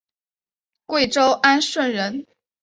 贵州安顺人。